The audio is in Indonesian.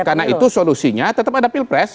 dan karena itu solusinya tetap ada pilpres